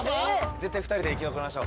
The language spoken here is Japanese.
絶対２人で生き残りましょう。